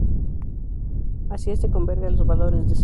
Así este converge a los valores deseados.